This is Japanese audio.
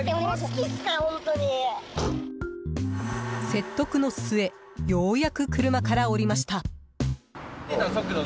説得の末ようやく車から降りました。